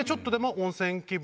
温泉気分。